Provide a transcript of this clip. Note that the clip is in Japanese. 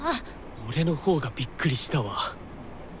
俺のほうがびっくりしたわ。